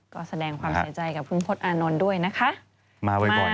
ก็แสดงความเสียใจกับคุณพจน์อานนท์ด้วยนะคะ